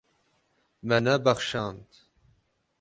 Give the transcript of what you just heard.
Me nebexşand.